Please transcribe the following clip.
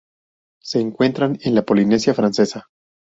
Se encuentran en la Polinesia francesa.